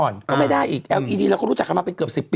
นึกออก๒เล่ม